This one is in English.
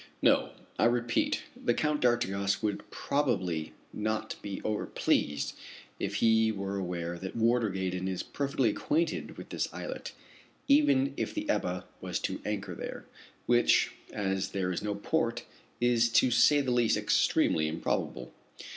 No, I repeat, the Count d'Artigas would probably not be overpleased if he were aware that Warder Gaydon is perfectly acquainted with this islet, even if the Ebba was to anchor there which, as there is no port, is, to say the least, extremely improbable.